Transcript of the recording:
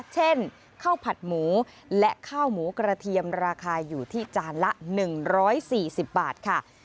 เช่นข้าวผัดหมูและข้าวหมูกระเทียมราคาอยู่ที่จานละ๑๔๐บาทค่ะ